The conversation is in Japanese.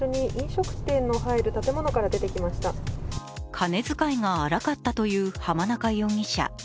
金遣いが荒かったという浜中容疑者。